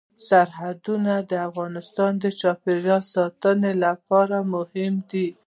سرحدونه د افغانستان د چاپیریال ساتنې لپاره مهم دي.